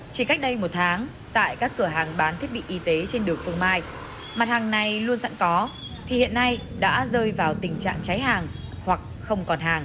chỉ cách đây một tháng tại các cửa hàng bán thiết bị y tế trên đường phương mai mặt hàng này luôn sẵn có thì hiện nay đã rơi vào tình trạng cháy hàng hoặc không còn hàng